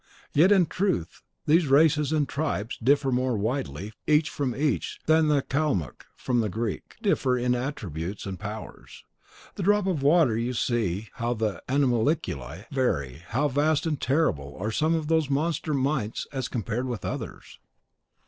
Yet, in truth, these races and tribes differ more widely, each from each, than the Calmuc from the Greek, differ in attributes and powers. In the drop of water you see how the animalculae vary, how vast and terrible are some of those monster mites as compared with others.